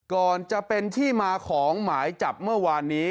ก่อนจะเป็นที่มาของหมายจับเมื่อวานนี้